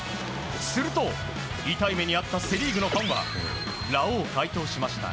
すると、痛い目にあったセ・リーグのファンはラオウ解答しました。